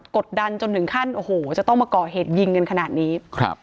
กดดันจนถึงขั้นโอ้โหจะต้องมาก่อเหตุยิงกันขนาดนี้ครับ